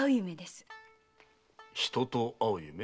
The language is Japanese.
人と会う夢？